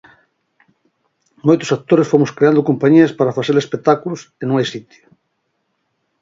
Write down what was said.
Moitos actores fomos creando compañías para facer espectáculos e non hai sitio.